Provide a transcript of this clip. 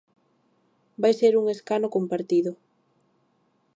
Vai ser un escano compartido.